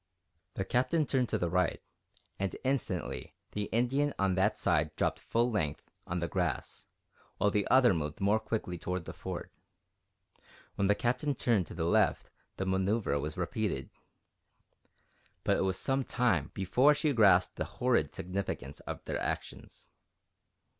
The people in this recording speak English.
The Captain turned to the right, and instantly the Indian on that side dropped full length on the grass, while the other moved more quickly toward the Fort. When the Captain turned to the left the manoeuvre was repeated, but it was some time before she grasped the horrid significance of their actions.